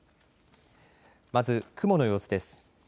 まず、雲の様子です。